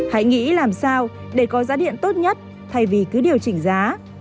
hãy nghĩ làm sao để có giá điện tốt nhất thay vì cứ điều chỉnh giá